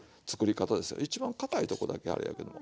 一番かたいとこだけあれやけども。